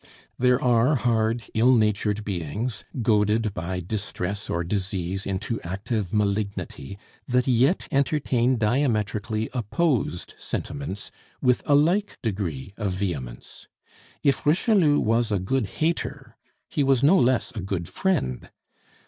There are hard, ill natured beings, goaded by distress or disease into active malignity, that yet entertain diametrically opposed sentiments with a like degree of vehemence. If Richelieu was a good hater, he was no less a good friend.